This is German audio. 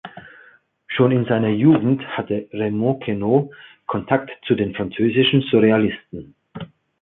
Schon in seiner Jugend hatte Raymond Queneau Kontakt zu den französischen Surrealisten.